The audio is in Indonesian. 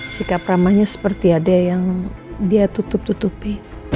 sikap ramahnya seperti ada yang dia tutup tutupi